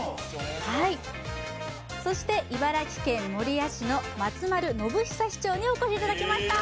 はいそして茨城県守谷市の松丸修久市長にお越しいただきました